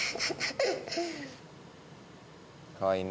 かわいいね。